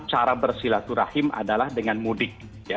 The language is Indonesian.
cara bersilaturahim adalah dengan mudik